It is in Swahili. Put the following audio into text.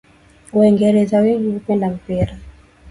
Waingereza wengi hupenda mpira